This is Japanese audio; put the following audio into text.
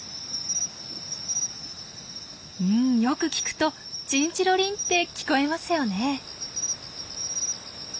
うんよく聞くとチンチロリンって聞こえますよね。